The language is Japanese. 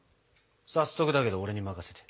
早速だけど俺に任せて。